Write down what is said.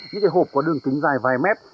những cây hộp có đường kính dài vài mét